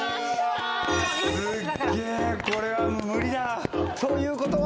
すっげえこれは無理だ！ということは？